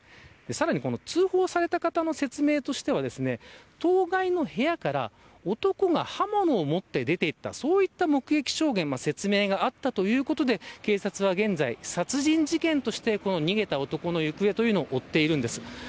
さらに、通報された方の説明としては当該の部屋から男が刃物を持って出ていったそういった目撃証言の説明だったということで、警察は現在殺人事件として逃げた男の行方を追っているんです。